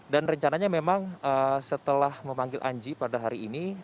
dan rencananya memang setelah memanggil anji pada hari ini